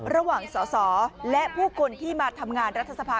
ระหว่างสอสอและผู้คนที่มาทำงานรัฐสภา